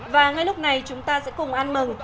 và ngay lúc này chúng ta sẽ cùng ăn mừng